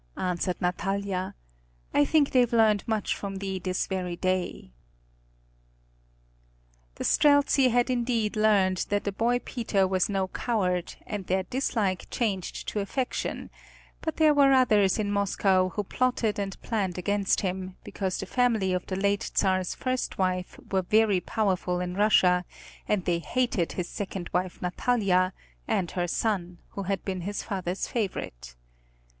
answered Natalia. "I think they've learned much from thee this very day." The Streltsi had indeed learned that the boy Peter was no coward, and their dislike changed to affection; but there were others in Moscow who plotted and planned against him, because the family of the late Czar's first wife were very powerful in Russia and they hated his second wife Natalia, and her son, who had been his father's favorite.